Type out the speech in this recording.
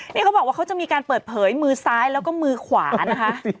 นี่เขาบอกว่าเขาจะมีการเปิดเผยมือซ้ายแล้วก็มือขวานะคะ